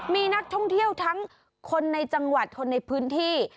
มีนักท่องเที่ยวทั้งคนในจังหวัดคนในพื้นที่